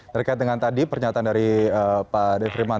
terkait dengan tadi pernyataan dari pak defriman